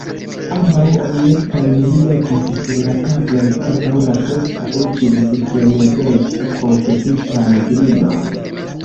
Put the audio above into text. Ambaŭ objektojn li metis sur la tablon antaŭ la preskaŭ ĝis frenezeco konfuzitan virinon.